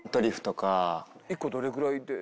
１個どれぐらいで。